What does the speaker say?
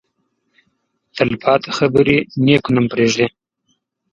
تل پاتې خبرې نېک نوم پرېږدي.